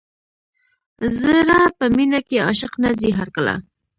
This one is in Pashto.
زړه په مینه کې عاشق نه ځي هر کله.